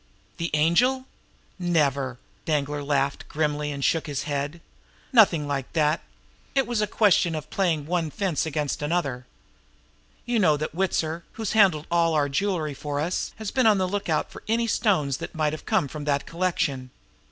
"The Angel? Never!" Danglar laughed grimly, and shook his head. "Nothing like that! It was a question of playing one 'fence' against another. You know that Witzer, who's handled all our jewelry for us, has been on the look out for any stones that might have come from that collection.